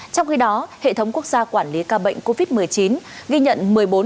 trong khi đó hệ thống quốc gia quản lý ca bệnh covid một mươi chín ghi nhận một mươi bốn năm trăm linh